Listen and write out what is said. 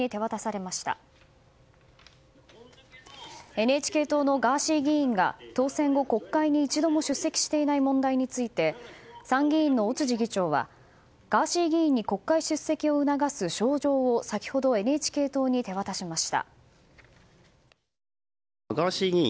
ＮＨＫ党のガーシー議員が当選後、国会に一度も出席していない問題について参議院の尾辻議長はガーシー議員に国会出席を促す招状を先ほどＮＨＫ党に提出しました。